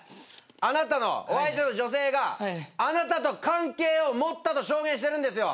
あなたのお相手の女性があなたと関係を持ったと証言してるんですよ。